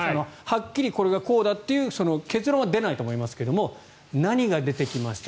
はっきり、これがこうだという結論は出ないと思いますが何が出てきました